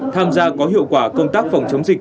tham gia có hiệu quả công tác phòng chống dịch